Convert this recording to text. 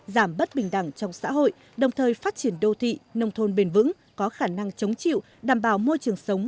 giảm bất bình đẳng trong xã hội đồng thời phát triển đô thị nông thôn bền vững có khả năng chống chịu đảm bảo môi trường sống